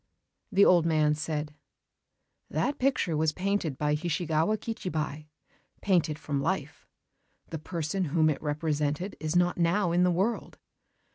The old man said: "That picture was painted by Hishigawa Kichibei, painted from life. The person whom it represented is not now in the world.